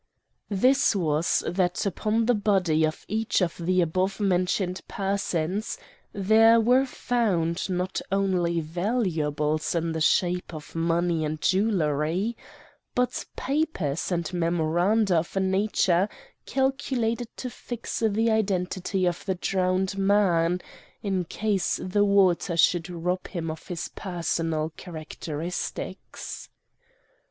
"This was, that upon the body of each of the above mentioned persons there were found, not only valuables in the shape of money and jewelry, but papers and memoranda of a nature calculated to fix the identity of the drowned man, in case the water should rob him of his personal characteristics.